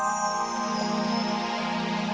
nih makan ya pa